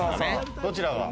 どちらが？